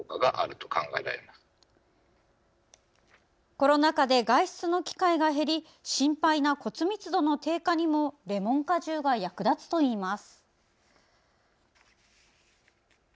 コロナ禍で外出の機会が減り心配な骨密度の低下にもレモン果汁が役立つといいます。